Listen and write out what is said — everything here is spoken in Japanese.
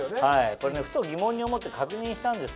これねふと疑問に思って確認したんです。